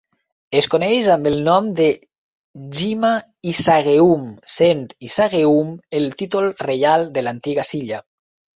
Es coneix amb el nom de Jima Isageum, sent "isageum" el títol reial de l'antiga Silla.